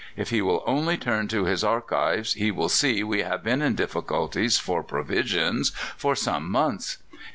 If he will only turn to his archives he will see we have been in difficulties for provisions for some months.